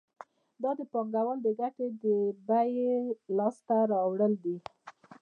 دا د پانګوال د ګټې د بیې لاس ته راوړل دي